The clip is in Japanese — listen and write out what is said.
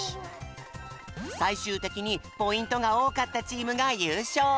さいしゅうてきにポイントがおおかったチームがゆうしょう！